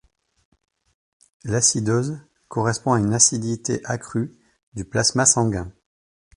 L'acidose correspond à une acidité accrue du plasma sanguin.